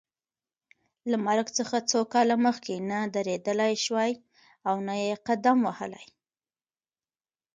له مرګ څخه څو کاله مخکې نه درېدلای شوای او نه یې قدم وهلای.